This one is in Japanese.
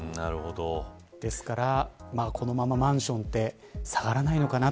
ですからこのままマンションって下がらないのかな。